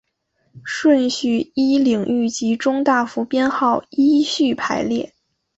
顺序依领域及中大服编号依序排列。